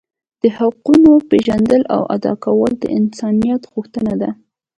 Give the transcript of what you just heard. د حقونو پیژندل او ادا کول د انسانیت غوښتنه ده.